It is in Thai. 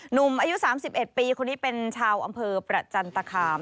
หนุ่มอายุ๓๑ปีคนนี้เป็นชาวอำเภอประจันตคาม